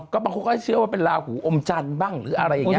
ก็บางคนก็เชื่อว่าเป็นลาหูอมจันทร์บ้างหรืออะไรอย่างนี้